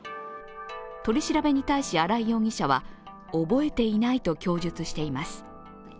取り調べに対し荒井容疑者は覚えていないと供述しています。